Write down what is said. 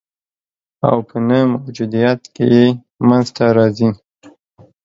او په نه موجودیت کي یې منځ ته راځي